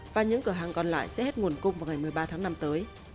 và những cửa hàng còn lại sẽ hết nguồn cung vào ngày một mươi ba tháng năm tới